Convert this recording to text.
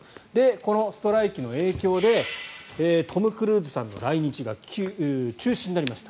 このストライキの影響でトム・クルーズさんの来日が中止になりました。